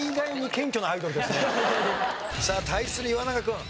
さあ対する岩永君。